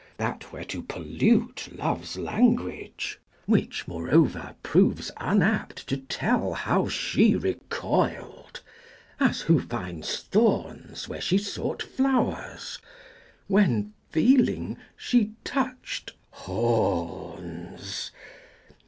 that were to pollute Love's language which moreover proves unapt To tell how she recoiled as who finds thorns Where she sought flowers when, feeling, she touched horns!